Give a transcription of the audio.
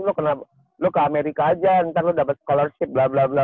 lu ke lo ke amerika aja ntar lo dapat scholarship bla bla bla